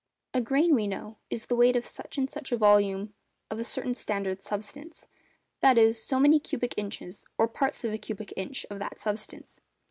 A grain, we know, is the weight of such and such a volume of a certain standard substance—that is, so many cubic inches, or parts of a cubic inch, of that substance.